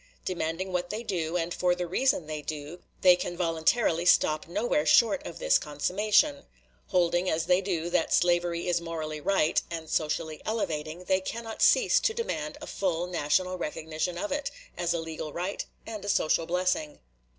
Demanding what they do, and for the reason they do, they can voluntarily stop nowhere short of this consummation. Holding, as they do, that slavery is morally right, and socially elevating, they cannot cease to demand a full national recognition of it, as a legal right and a social blessing.